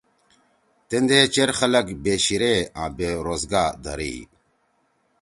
تیندے چیر خلگ بے شیِرے آں بے روزگا دھرئی۔